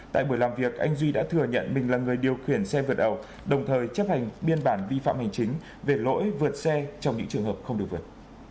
tại buổi làm việc anh duy đã thừa nhận mình là người điều khiển xe vượt ẩu đồng thời chấp hành biên bản vi phạm hành chính về lỗi vượt xe trong những trường hợp không được vượt